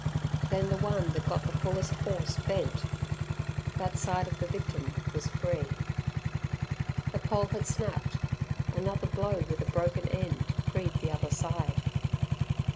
Then the one that got the fullest force bent; that side of the victim was free. The pole had snapped. Another blow with a broken end freed the other side.